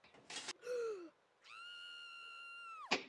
用来做长距离或低光环境下观瞄的瞄准镜通常拥有更粗的镜筒。